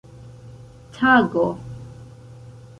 tago